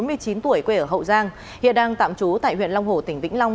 lê thị hoàng oanh bốn mươi chín tuổi ở hậu giang hiện đang tạm trú tại huyện long hổ tỉnh vĩnh long